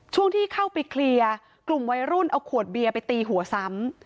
ช่วงที่เข้าไปเคลียร์กลุ่มวัยรุ่นเอาขวดเบียร์ไปตีหัวซ้ำ